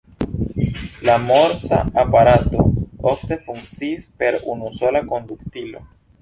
La Morsa-aparato ofte funkciis per unusola konduktilo.